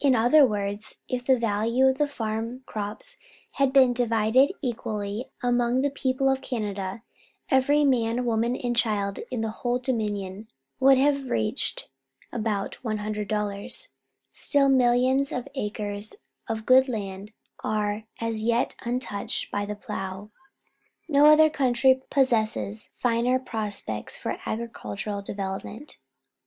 In other words, if the value of the farm crops had been divided equally among the people of Canada, every man, woman, and child in the whole Dominion would have received about $100. Still millions of acres of good land are as yet untouched by the plough. No other country possesses finer prospects for agricultural development.